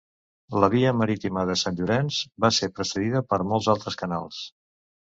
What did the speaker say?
La via marítima del Sant Llorenç va ser precedida per molts altres canals.